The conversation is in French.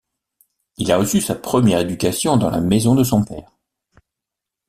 Il a reçu sa première éducation dans la maison de son père.